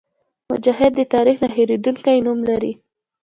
مجاهد د تاریخ نه هېرېدونکی نوم لري.